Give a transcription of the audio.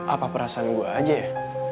apa perasaan gue aja ya